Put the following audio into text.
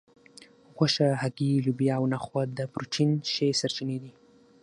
غوښه هګۍ لوبیا او نخود د پروټین ښې سرچینې دي